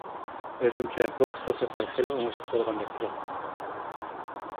ئۆزۈمچە بۇ قىسقا سەپەر خېلى ئوڭۇشلۇق بولغاندەك تۇراتتى.